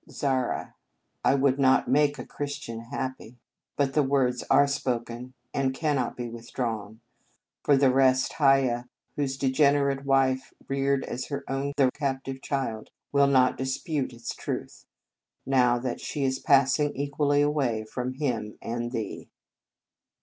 Zara. I would not make a Chris tian happy. But the words are spoken, and cannot be withdrawn. For the rest, Hiaya, whose degenerate wife reared as her own the captive child, will not dispute its truth, now that she is passing equally away from him and thee.